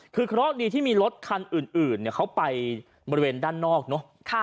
คือเคราะห์ดีที่มีรถคันอื่นเขาไปบริเวณด้านนอกเนอะ